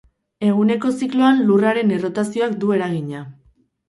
Eguneko zikloan Lurraren errotazioak du eragina.